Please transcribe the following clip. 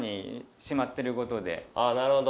なるほど。